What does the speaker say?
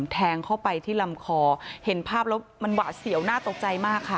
แทงเข้าไปที่ลำคอเห็นภาพแล้วมันหวาดเสียวน่าตกใจมากค่ะ